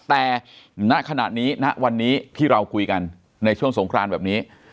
แต่ณขณะนี้ณวันนี้ที่เราคุยกันในช่วงสงครานแบบนี้